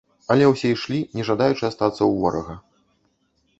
Але ўсе ішлі, не жадаючы астацца ў ворага.